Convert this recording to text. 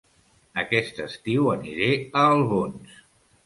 Aquest estiu aniré a Albons